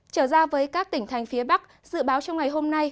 trở ra với các tỉnh thành phía bắc dự báo trong ngày hôm nay